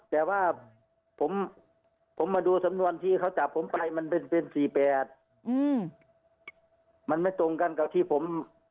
แต่ว่าผมผมมาดูสำนวนที่เขาจับผมไปมันเป็นเป็นสี่แปดอืมมันไม่ตรงกันกับที่ผม